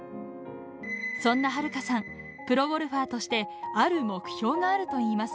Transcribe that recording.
そんな遥加さん、プロゴルファーとして、ある目標があるといいます。